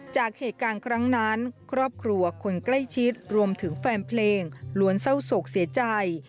จากเหตุการณ์ครั้งนั้นครอบครัวคนใกล้ชิดรวมถึงแฟนเพลงล้วนเศร้าโศกเสียใจ